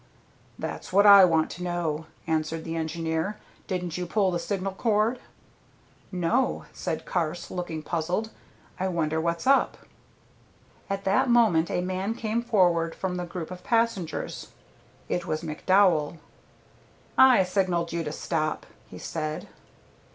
"That's what I want to know," answered the engineer. "Didn't you pull the signal cord?" "No," said Carse, looking puzzled. "I wonder what's up." At that moment a man came forward from the group of passengers: it was McDowell. "I signalled you to stop," he said.